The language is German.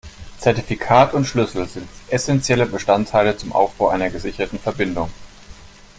Zertifikat und Schlüssel sind essentielle Bestandteile zum Aufbau einer gesicherten Verbindung.